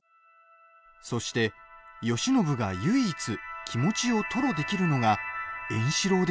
そして慶喜が唯一、気持ちを吐露できるのが円四郎でした。